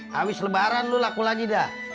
habis lebaran lu laku lagi dah